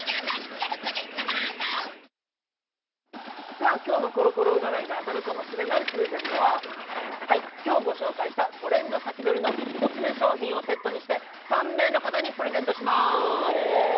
さあ今日のコロコロ占いで当たるかもしれないプレゼントは今日ご紹介したトレンド先取りのコスメ商品をセットにして３名の方にプレゼントします